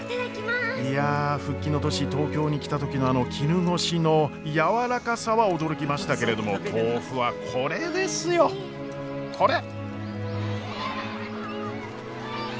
いや復帰の年東京に来た時のあの絹ごしの軟らかさは驚きましたけれども豆腐はこれですよこれ！